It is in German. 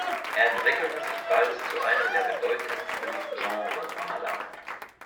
Er entwickelte sich bald zu einem der bedeutendsten Genremaler.